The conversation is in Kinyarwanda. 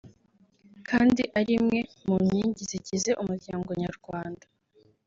kandi ari imwe mu nkingi zigize Umuryango nyarwanda”